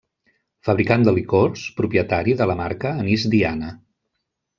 Fabricant de licors, propietari de la marca Anís Diana.